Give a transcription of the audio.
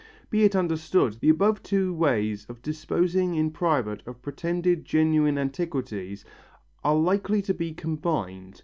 Be it understood, the above two ways of disposing in private of pretended genuine antiquities are likely to be combined.